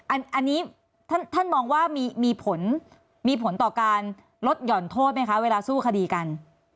อันนี้ท่านมองว่ามีผลมีผลต่อการลดหย่อนโทษไหมคะเวลาสู้คดีกัน